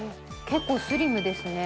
結構スリムですね。